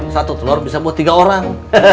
satu telur bisa buat tiga orang